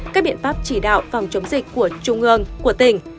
các biện pháp chỉ đạo phòng chống dịch của trung ương của tỉnh